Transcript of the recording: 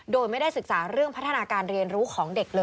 โดยไม่ได้ศึกษาเรื่องพัฒนาการเรียนรู้ของเด็กเลย